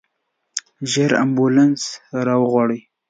ژر امبولانس راوغواړئ.